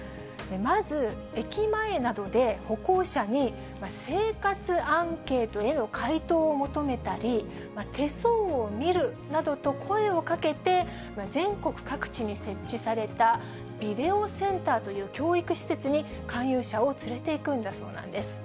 まず駅前などで、歩行者に、生活アンケートへの回答を求めたり、手相を見るなどと声をかけて、全国各地に設置されたビデオセンターという教育施設に、勧誘者を連れていくんだそうなんです。